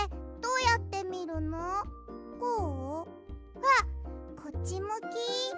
あっこっちむき？